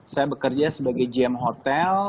saya bekerja sebagai gm hotel